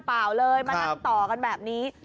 เปล่าเลยมานั่งต่อกันแบบนี้